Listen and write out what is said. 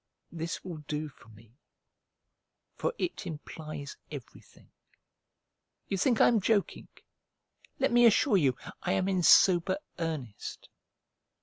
This will do for me, for it implies everything. You think I am joking? Let me assure you I am in sober earnest.